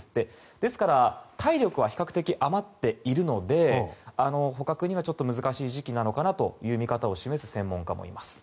ですから、体力は比較的余っているので捕獲にはちょっと難しい時期なのかなという見方を示す専門家もいます。